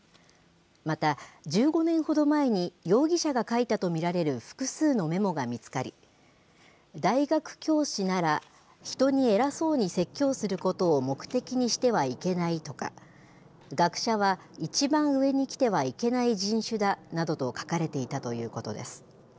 また１５年ほど前に容疑者が書いたと見られる複数のメモが見つかり、大学教師なら人に偉そうに説教することを目的にしてはいけないとか、学者は一番上に来てはいけない人種だなどと書かれていたということです。